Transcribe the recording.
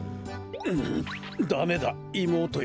んん「ダメだいもうとよ。